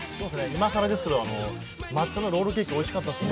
今さらですけど、抹茶のロールケーキおいしかったです。